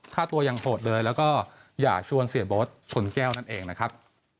ถ้าตัวยังโหดเลยแล้วก็อย่าชวนเสียโบ๊ทชนแก้วนั่นเองนะครับ